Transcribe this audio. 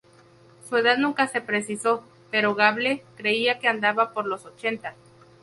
Su edad nunca se precisó, pero Gable creía que andaba por los ochenta.